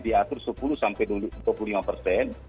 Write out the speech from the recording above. diatur sepuluh sampai dua puluh lima persen